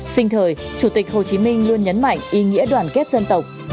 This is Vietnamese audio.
sinh thời chủ tịch hồ chí minh luôn nhấn mạnh ý nghĩa đoàn kết dân tộc